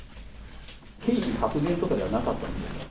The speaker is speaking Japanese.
経費削減とかではなかったんですか？